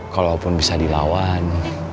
kalaupun bisa dilawan